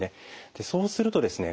そうするとですね